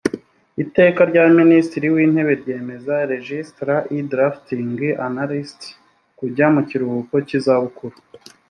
iteka rya minisitiri w intebe ryemerera legislat e drafting analyst kujya mu kiruhuko cy izabukuru